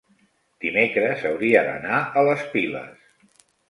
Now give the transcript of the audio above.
dimecres hauria d'anar a les Piles.